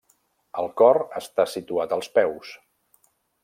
El cor està situat als peus.